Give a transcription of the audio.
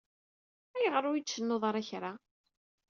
Ayɣer ur yi-d-tcennuḍ ara kra?